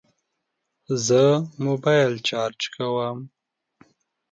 زه موبایل چارج کوم